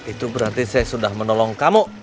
itu berarti saya sudah menolong kamu